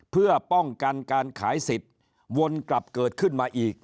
เพื่อป้องกันการขายสิทธิ์วนกลับเกิดขึ้นมาอีก